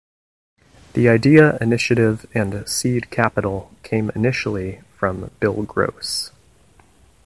The idea, initiative, and seed capital came initially from Bill Gross.